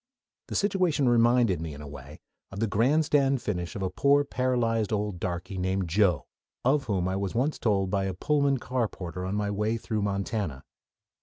The situation reminded me in a way of the grandstand finish of a poor paralyzed old darky named Joe, of whom I was once told by a Pullman car porter on my way through Montana.